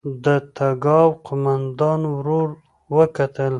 د تګاو قوماندان ورور وکتل.